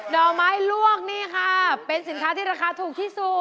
ดอกไม้ลวกนี่ค่ะเป็นสินค้าที่ราคาถูกที่สุด